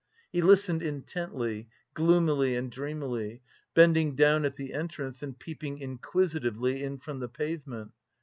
He listened intently, gloomily and dreamily, bending down at the entrance and peeping inquisitively in from the pavement.